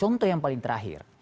contoh yang paling terakhir